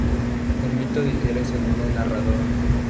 El mito difiere según el narrador.